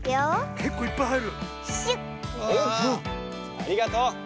ありがとう！